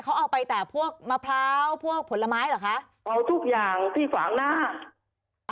เขาเอาไปแต่พวกมะพร้าวพวกผลไม้เหรอคะเอาทุกอย่างที่ฝางหน้า